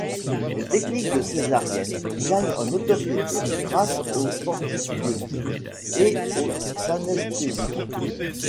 Les techniques de césarienne gagnent en notoriété grâce aux antibiotiques et aux anesthésiques.